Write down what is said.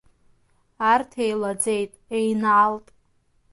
Арҭ еилаӡеит, еинаалт.